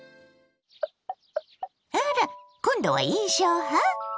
あら！今度は印象派？